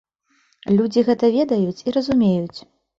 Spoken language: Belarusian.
Людзі гэта ведаюць і разумеюць.